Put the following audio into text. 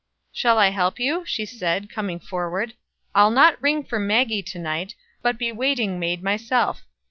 "Shall I help you?" she said, coming forward "I'll not ring for Maggie to night, but be waiting maid myself.